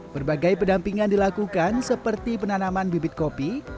berbagai pendampingan dilakukan seperti penanaman bibit kopi